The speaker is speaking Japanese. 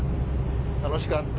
楽しかった。